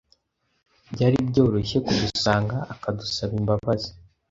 byari byoroshye kudusanga akadusaba imbabazi